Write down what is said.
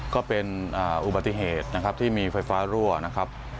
ก็เป็นอุบัติเหตุนะครับที่มีไฟฟ้ารั่วนะครับ